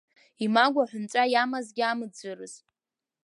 Имагә аҳәынҵәа иамазгьы амыӡәӡәарыз.